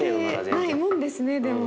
忘れてないもんですねでも。